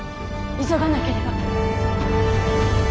急がなければ。